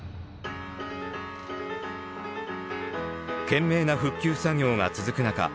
懸命な復旧作業が続く中